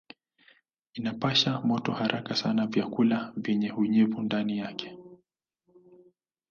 Inapasha moto haraka sana vyakula vyenye unyevu ndani yake.